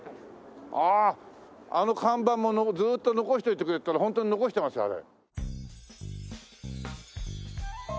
あああの看板もずっと残しといてくれって言ったから本当に残してますよあれ。